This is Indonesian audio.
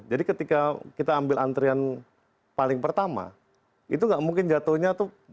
jadi ketika kita ambil antrian paling pertama itu nggak mungkin jatuhnya tuh belakangan